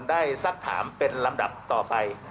ได้สักถามเป็นลำดับต่อไป